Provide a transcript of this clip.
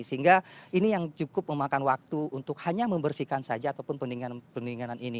sehingga ini yang cukup memakan waktu untuk hanya membersihkan saja ataupun pendinginan ini